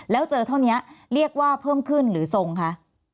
แล้วเจอเท่านี้เรียกว่าเพิ่มขึ้นหรือทรงคะ